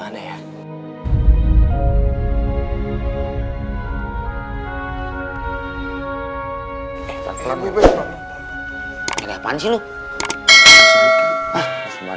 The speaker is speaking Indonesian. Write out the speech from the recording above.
tersebut nya juga maksimal